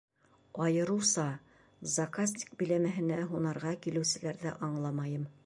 Айырыуса заказник биләмәһенә һунарға килеүселәрҙе аңламайым.